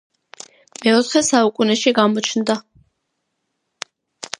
მეოთხე საუკუნეში გამოჩნდა.